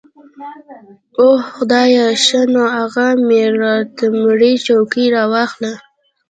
اوح خدايه ښه نو اغه ميراتمړې چوکۍ راواخله.